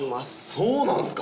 そうなんですか？